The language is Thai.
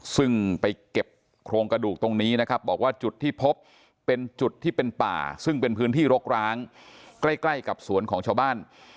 ซึ่งไปเก็บโครงกระดูกตรงนี้นะครับบอกว่าจุดที่พบเป็นจุดที่เป็นป่าซึ่งเป็นพื้นที่รกร้างใกล้ใกล้กับสวนของชาวบ้าน